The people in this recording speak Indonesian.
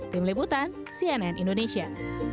tim liputan cnn indonesia